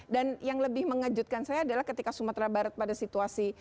dan yang lebih mengejutkan saya adalah ketika sumatera barat pada situasi